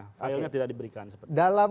kayanya tidak diberikan dalam